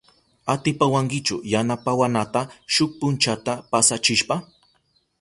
¿Atipawankichu yanapawanata shuk punchata pasachishpa?